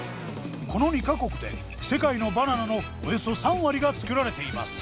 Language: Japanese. この２か国で世界のバナナのおよそ３割が作られています。